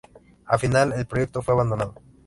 Al final, el proyecto fue abandonado.